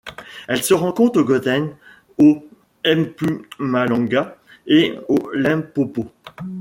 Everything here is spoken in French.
Elle se rencontre au Gauteng, au Mpumalanga et au Limpopo.